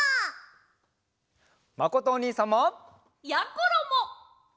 まことおにいさんも！やころも！